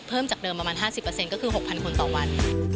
จากเดิมประมาณ๕๐ก็คือ๖๐๐คนต่อวัน